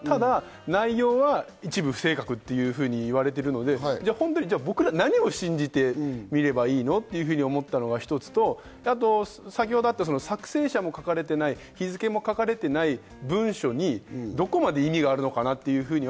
ただ、内容は一部不正確というふうに言われているので、僕ら何を信じてみればいいの？と思ったのが一つと、あと先ほどあった作成者の書かれていない、日付も書かれていない文書にどこまで意味があるのかなと。